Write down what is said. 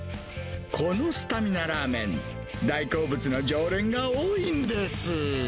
このスタミナラーメン、大好物の常連が多いんです。